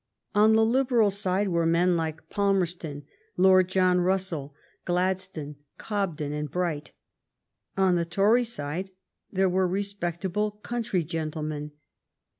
On the Liberal side were men like Palmerston, Lord John Russell, Gladstone, Cobden, and Bright. On the Tory sicie there were respectable country gentlemen.